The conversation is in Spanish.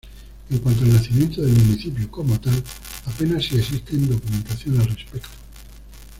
En cuanto al nacimiento del municipio como tal, apenas si existe documentación al respecto.